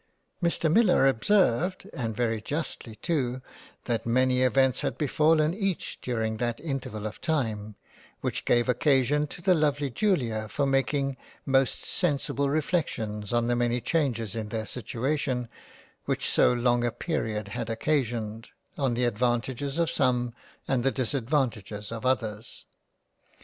Mr Millar observed (and very justly too) that many events had befallen each during that interval of time, which gave occasion to the lovely Julia for making most sensible reflections on the many changes in their situation which so long a period had occasioned, on the advantages of some, and the disadvantages of others.